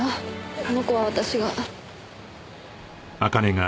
この子は私が。